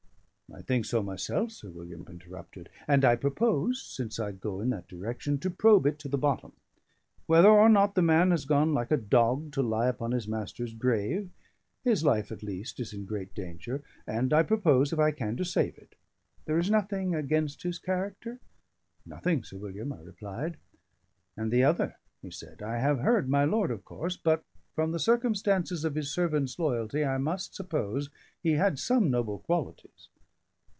"I think so myself," Sir William interrupted, "and I propose (since I go in that direction) to probe it to the bottom. Whether or not the man has gone like a dog to lie upon his master's grave, his life, at least, is in great danger, and I propose, if I can, to save it. There is nothing against his character?" "Nothing, Sir William," I replied. "And the other?" he said. "I have heard my lord, of course; but, from the circumstances of his servant's loyalty, I must suppose he had some noble qualities."